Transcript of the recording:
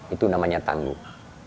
itu namanya tangguh